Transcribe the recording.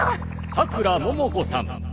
さくらももこさん。